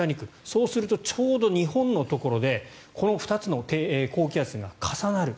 そうするとちょうど日本のところでこの２つの高気圧が重なる。